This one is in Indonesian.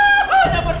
jangan pak rt jangan